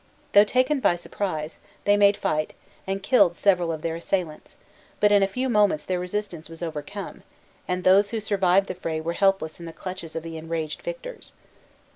Though taken by surprise, they made fight, and killed several of their assailants; but in a few moments their resistance was overcome, and those who survived the fray were helpless in the clutches of the enraged victors.